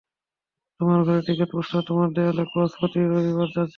তোমার ঘরে cricket poster, তোমার দেয়ালে ক্রস, প্রতি রবিবার চার্চে যাও।